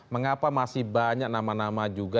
mengapa masih banyak nama nama juga